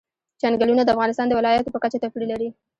چنګلونه د افغانستان د ولایاتو په کچه توپیر لري.